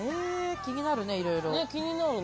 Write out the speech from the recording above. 気になるね、いろいろ。